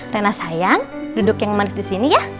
rena sayang duduk yang manis disini ya